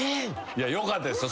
よかったですよ